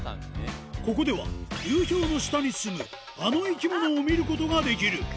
ここでは、流氷の下に住むあの生き物を見ることができる。